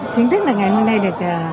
chính thức là ngày hôm nay được